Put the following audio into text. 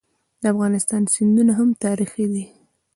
د افغانستان سیندونه هم تاریخي دي.